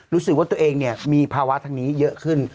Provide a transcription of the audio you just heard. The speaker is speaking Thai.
รู้สึกว่าตัวเองเนี่ยมีภาวะทางนี้เยอะขึ้น